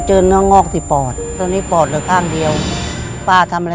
หรือไม่ได้ครับ